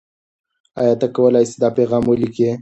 آیا ته کولای سې چې دا پیغام ولیکې؟